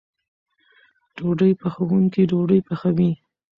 ډوډۍ پخوونکی ډوډۍ پخوي.